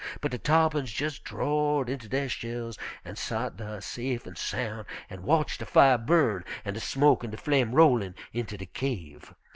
But de tarr'pins jes' drord inter der shells an' sot dar safe an' soun', an' watched de fire burn an' de smoke an' de flame rollin' inter de kyave.